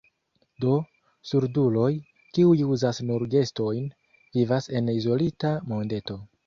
Do, surduloj, kiuj uzas nur gestojn, vivas en izolita mondeto.